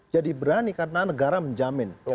jadi berani karena negara menjamin